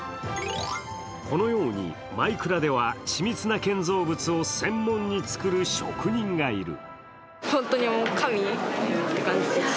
このようにマイクラでは緻密な建造物を専門に作る職人がいる。